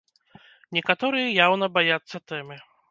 Некаторыя яўна баяцца тэмы.